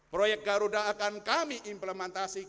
proyek garuda akan kami implementasi